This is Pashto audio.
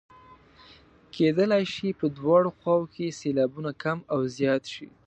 کیدلای شي په دواړو خواوو کې سېلابونه کم او زیات شي.